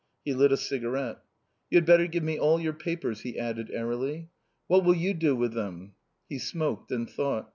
He lit a cigarette. "You had better give me all your papers," he added airily. "What will you do with them?" He smoked and thought.